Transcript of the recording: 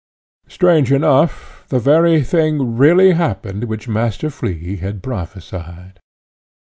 Strange enough, the very thing really happened which Master Flea had prophesied.